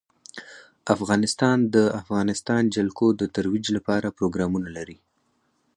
افغانستان د د افغانستان جلکو د ترویج لپاره پروګرامونه لري.